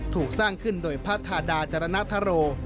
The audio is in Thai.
ถูกสร้างขึ้นโดยพระธาดาจรณฑโร